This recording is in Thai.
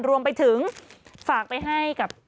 รวมไปถึงฝากไปให้กับ